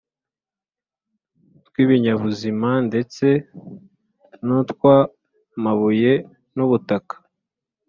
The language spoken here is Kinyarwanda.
tw’ibinyabuzima ndetse n’utw’amabuye n’ubutaka.